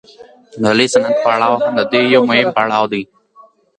د لوی صنعت پړاو هم د دې یو مهم پړاو دی